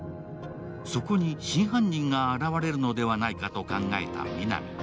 そこに真犯人が現れるのではないかと考えた皆実。